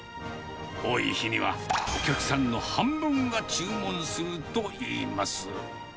多い日にはお客さんの半分が注文するといいます。